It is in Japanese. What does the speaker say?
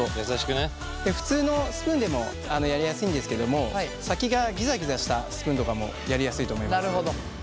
普通のスプーンでもやりやすいんですけども先がぎざぎざしたスプーンとかもやりやすいと思います。